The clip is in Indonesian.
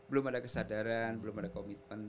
belum ada kesadaran belum ada komitmen